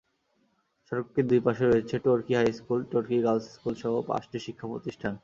সড়কটির দুই পাশে রয়েছে টরকী হাইস্কুল, টরকী গার্লস স্কুলসহ পাঁচটি শিক্ষাপ্রতিষ্ঠান।